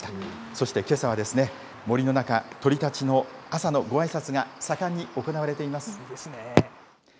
そしてけさは、森の中、鳥たちの朝のごあいさつが盛んに行われています。